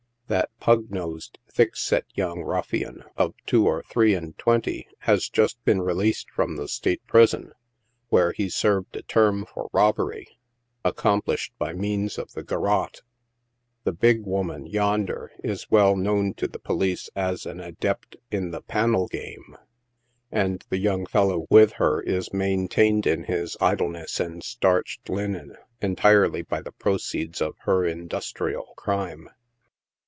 That pug nosed, thick set young ruffian, of two or three and twenty, has just been released from the State Prison, where he served a term for robbery, accomplished by means of the garrote. The big wo man, yonder, is well known to the police as an adept in the " panel game," and the young fellow with her is maintained in his idleness and starched linen, entirely by the proceeds of her indu trial crime.